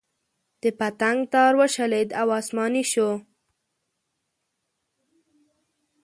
د پتنګ تار وشلېد او اسماني شو.